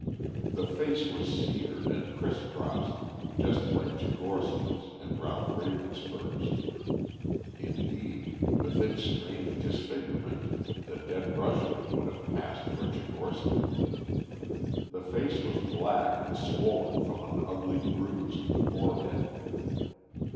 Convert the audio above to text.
The face was seared and criss crossed just like Tchigorsky's and Ralph Ravenspur's; indeed, with its strange disfigurement the dead Russian would have passed for Tchigorsky. The face was black and swollen from an ugly bruise in the forehead.